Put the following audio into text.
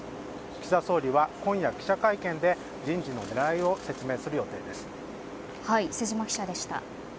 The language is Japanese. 岸田総理は今夜、記者会見で人事の狙いを説明する予定です。